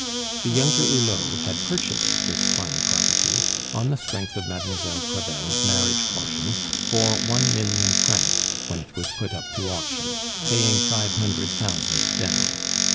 The younger Hulot had purchased this fine property, on the strength of Mademoiselle Crevel's marriage portion, for one million francs, when it was put up to auction, paying five hundred thousand down.